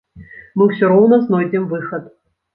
Мы ўсё роўна знойдзем выхад.